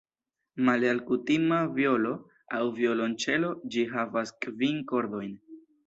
Male al kutima vjolo aŭ violonĉelo ĝi havas kvin kordojn.